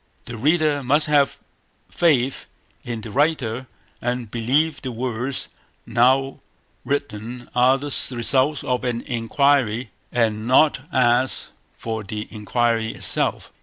The reader must have faith in the writer, and believe the words now written are the results of an inquiry, and not ask for the inquiry itself.